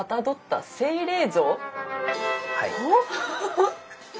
はい。